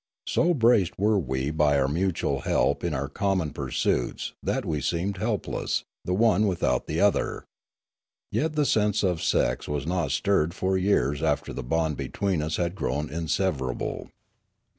So braced were we by our mutual help in our common pursuits that we seemed helpless, the one without the other. Yet the sense of sex was not stirred for years after the bond between us had grown inseverable.